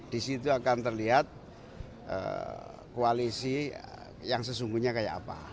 di situ akan terlihat koalisi yang sesungguhnya kayak apa